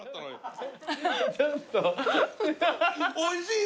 おいしい！